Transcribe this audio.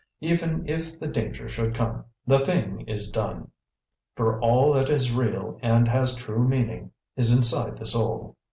Even if the danger should come, the THING is done, for all that is real and has true meaning is inside the soul!"